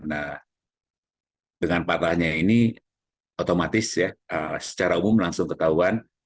nah dengan patahnya ini otomatis ya secara umum langsung ketahuan